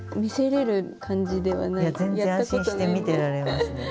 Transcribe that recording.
いや全然安心して見てられますね。